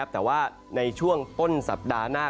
แต่ว่าในช่วงต้นสัปดาห์หน้า